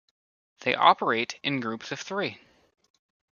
They operate in groups of three.